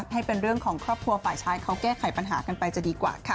ให้เป็นเรื่องของครอบครัวฝ่ายชายเขาแก้ไขปัญหากันไปจะดีกว่าค่ะ